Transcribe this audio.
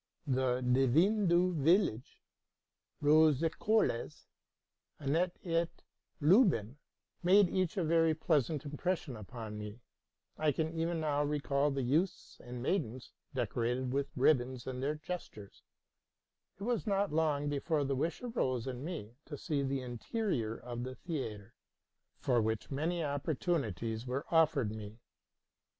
'' The Devin du Village,'' '' Rose et Colas,"' '* Annette et Lubin,'' made each a very pleasant impression upon me. I can even now recall the youths and maidens 76 TRUTH AND FICTION decorated with ribbons, and their gestures. It was not long before the wish arose in me to see the interior of the theatre, for which many opportunities were offered me.